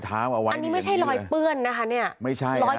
เท้าเอาไว้เอาไปมันใช่รอเปื้อนนะค่ะเนี่ยไม่ใช่รอย